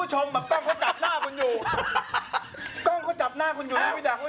เฮ้อเขาเหรอ